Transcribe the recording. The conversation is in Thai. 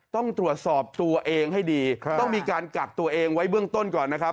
ต้องตรวจสอบตัวเองให้ดีต้องมีการกักตัวเองไว้เบื้องต้นก่อนนะครับ